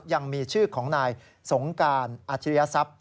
ยังมีชื่อของนายสงการอัจฉริยทรัพย์